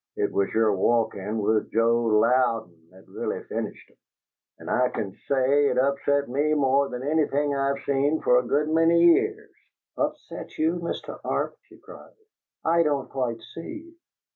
It was your walkin' with Joe Louden that really finished 'em, and I can say it upset me more than anything I've seen for a good many years." "Upset you, Mr. Arp?" she cried. "I don't quite see."